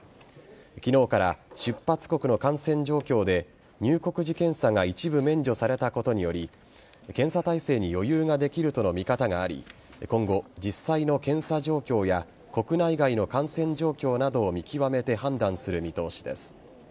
昨日から出発国の感染状況で入国時検査が一部免除されたことにより検査体制に余裕ができるとの見方があり今後、実際の検査状況や国内外の感染状況などを見極めて判断する見通しです。